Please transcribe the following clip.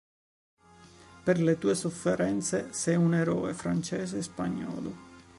Per le tue sofferenze sei un eroe francese e spagnolo”.